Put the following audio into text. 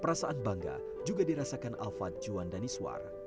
perasaan bangga juga dirasakan alva juwan daniswar